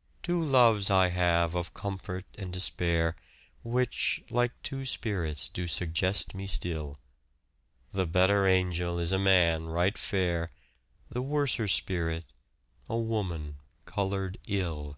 " Two loves I have of comfort and despair, Which, like two spirits, do suggest me still. The better angel is a man right fair. The worser spirit, a woman, coloured ill."